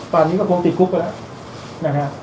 ตอนนี้ก็คงติดคุกก็แล้วนะครับ